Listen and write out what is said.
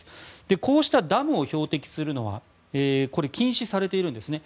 こうしたダムを標的にするのは禁止されているんですね。